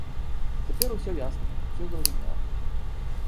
Цяпер усё ясна, усё зразумела.